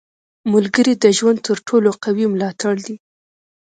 • ملګری د ژوند تر ټولو قوي ملاتړی دی.